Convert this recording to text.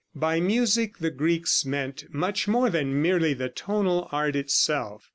By music the Greeks meant much more than merely the tonal art itself.